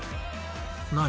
何？